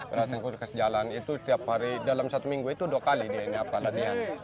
perawatannya khusus kes jalan itu setiap hari dalam satu minggu itu dua kali dia ini apa latihan